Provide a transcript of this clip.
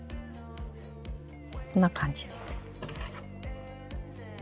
こんな感じで。